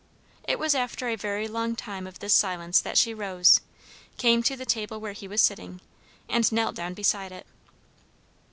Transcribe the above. It was after a very long time of this silence that she rose, came to the table where he was sitting, and knelt down beside it.